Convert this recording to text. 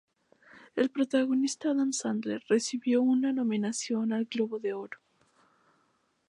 El protagonista Adam Sandler recibió una nominación al Globo de Oro.